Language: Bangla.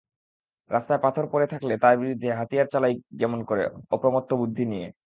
রাস্তায় পাথর পড়ে থাকলে তার বিরুদ্ধে হাতিয়ার চালাই যেমন করে, অপ্রমত্ত বুদ্ধি নিয়ে।